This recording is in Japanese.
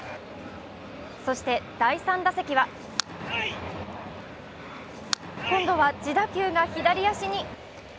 そして、第３打席は今度は自打球が左足に。